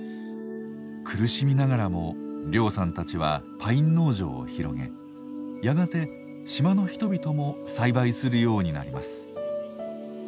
苦しみながらも廖さんたちはパイン農場を広げやがて島の人々も栽培するようになります。